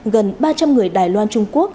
gần ba trăm linh người đài loan trung quốc